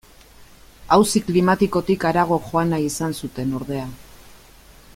Auzi klimatikotik harago joan nahi izan zuten, ordea.